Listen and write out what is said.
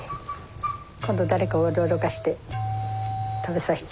今度誰か驚かせて食べさせちゃおう。